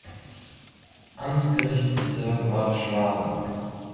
Amtsgerichtsbezirk war Schlawe.